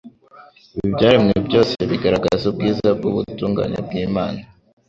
Ubu ibyaremwe byose bigaragaza ubwiza bw'ubutungane bw'Imana.